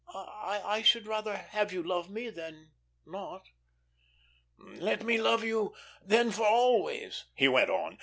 I should rather have you love me than not." "Let me love you then for always," he went on.